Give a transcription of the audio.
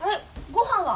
ご飯は？